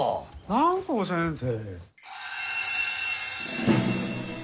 蘭光先生。